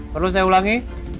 perlu saya ulangi